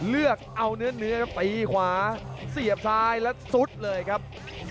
เลือกเอาเนื้อครับตีขวาเสียบซ้ายแล้วซุดเลยครับ